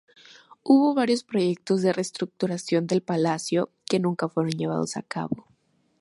Hubo varios proyectos de reestructuración del palacio que nunca fueron llevados a cabo.